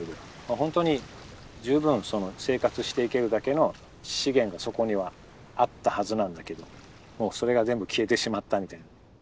ホントに十分生活していけるだけの資源がそこにはあったはずなんだけどもうそれが全部消えてしまったみたいな。